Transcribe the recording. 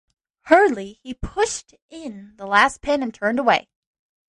Hurriedly he pushed in the last pin and turned away.